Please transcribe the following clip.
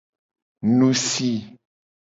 Nu si.